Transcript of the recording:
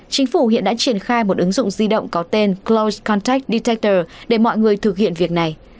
chính phủ hiện đã triển khai một ứng dụng di động có tên closed contact detector để mọi người thực hiện việc này